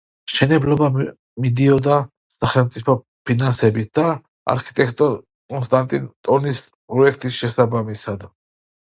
მშენებლობა მიდიოდა სახელმწიფო ფინანსებით და არქიტექტორ კონსტანტინ ტონის პროექტის შესაბამისად.